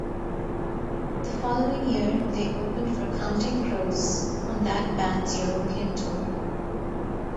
The following year they opened for Counting Crows on that band's European tour.